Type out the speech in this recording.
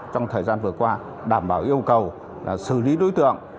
trong thời gian vừa qua đảm bảo yêu cầu xử lý đối tượng